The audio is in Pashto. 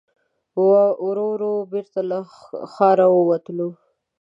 ورو ورو بېرته له ښاره ووتلو.